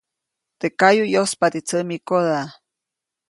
Teʼ kayuʼ yospadi tsämikoda.